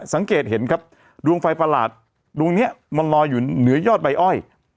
สังเกตเห็นครับดวงไฟประหลาดดวงนี้มันลอยอยู่เหนือยอดใบอ้อย